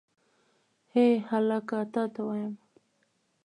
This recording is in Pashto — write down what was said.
هې هلکه تا ته وایم.